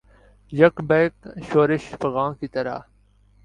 یک بیک شورش فغاں کی طرح